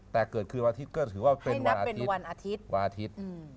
แต่เกิดคืนวันอาทิตย์ก็ถือว่าเป็นวันอาทิตย์